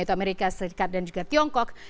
itu amerika serikat dan juga tiongkok